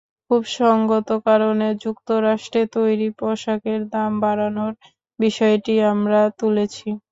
খুব সংগত কারণে যুক্তরাষ্ট্রে তৈরি পোশাকের দাম বাড়ানোর বিষয়টি আমরা তুলেছি।